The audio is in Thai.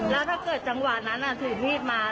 แล้วถ้าเกิดจังหวะนั้นถือมีดมา